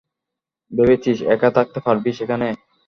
ভেবেছিস একা থাকতে পারবি সেখানে?